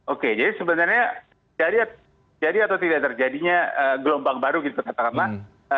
oke jadi sebenarnya jadi atau tidak terjadinya gelombang baru gitu katakanlah